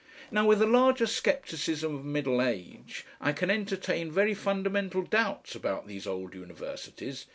Now with the larger scepticism of middle age I can entertain very fundamental doubts about these old universities.